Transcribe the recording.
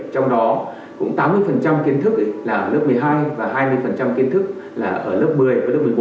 trong đó cũng tám mươi kiến thức là ở lớp một mươi hai và hai mươi kiến thức là ở lớp một mươi và lớp một mươi một